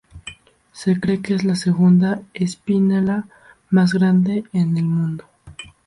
Se cree que es la segunda espinela más grande en el mundo.